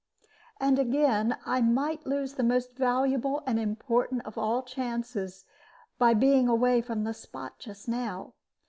And, again, I might lose the most valuable and important of all chances by being away from the spot just now.